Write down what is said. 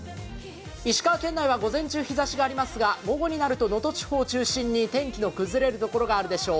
石川県内は午前中、日ざしがありますが午後になると能登地方を中心に天気が崩れるところがあるでしょう。